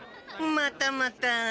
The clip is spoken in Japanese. またまた。